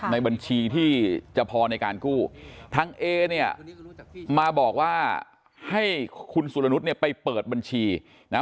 ในบัญชีที่จะพอในการกู้ทางเอเนี่ยมาบอกว่าให้คุณสุรนุษย์เนี่ยไปเปิดบัญชีนะ